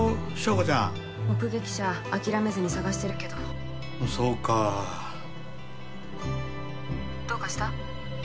硝子ちゃん目撃者諦めずに捜してるけどそうか☎どうかした？